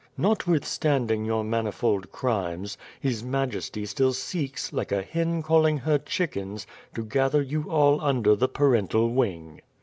Notwithstanding your manifold crimes, his majesty still seeks, like a hen calling her chickens, to gather you all under the parental wing."